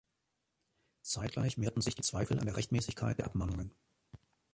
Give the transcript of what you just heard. Zeitgleich mehrten sich die Zweifel an der Rechtmäßigkeit der Abmahnungen.